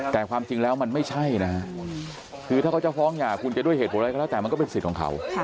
แต่ความจริงแล้วมันไม่ใช่นะฮะคือถ้าเขาจะฟ้องหย่าคุณจะด้วยเหตุผลอะไรก็แล้วแต่มันก็เป็นสิทธิ์ของเขา